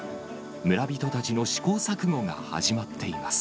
村人たちの試行錯誤が始まっています。